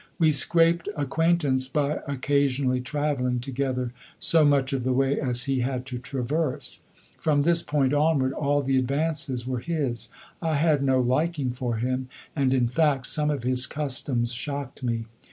We scraped acquaintance by occasionally travelling together so much of the way as he had to traverse; from this point onward all the advances were his. I had no liking for him, and, in fact, some of his customs shocked me.